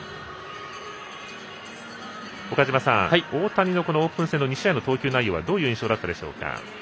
岡島さん、大谷のオープン戦の２試合の投球内容はどういう印象だったでしょうか。